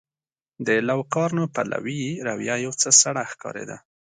د لوکارنو پلوي رویه یو څه سړه ښکارېده.